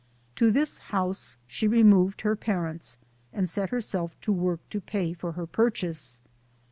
To this house she removed her parents, and set herself to work to pay for her purchase.